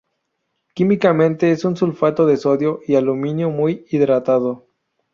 Químicamente es un sulfato de sodio y aluminio muy hidratado.